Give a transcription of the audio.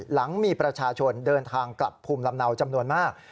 หลังมีประชาชนเดินทางกลับภูมิลำเนาจำนวนมาก